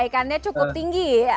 dimannya cukup tinggi